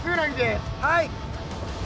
はい。